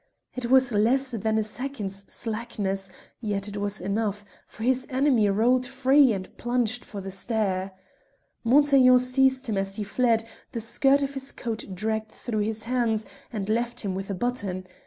It was less than a second's slackness, yet it was enough, for his enemy rolled free and plunged for the stair. Montaiglon seized him as he fled; the skirt of his coat dragged through his hands, and left him with a button.